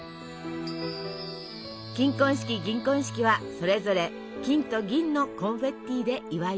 金婚式銀婚式はそれぞれ金と銀のコンフェッティで祝います。